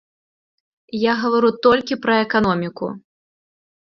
Я гавару толькі пра эканоміку.